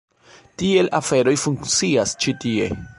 Tiel aferoj funkcias ĉi tie.